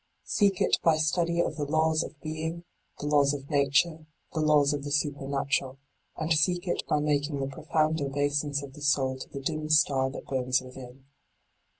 Seek it by study of the laws of being, the laws of nature, the laws of the supernatural: and seek it by making the profound obeisance of the soul to the dim star that burns within.